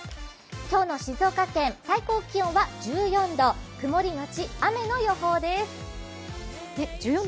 今日の静岡県、最高気温は１４度、曇りのちあめの予報です。